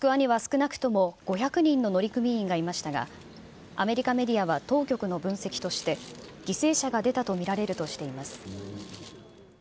モスクワには少なくとも５００人の乗組員がいましたが、アメリカメディアは当局の分析として、犠牲者が出たと見られるとしています。